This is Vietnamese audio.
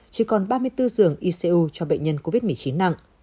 chứ còn ba mươi bốn giường icu cho bệnh nhân covid một mươi chín nặng